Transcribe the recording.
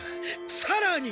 さらに。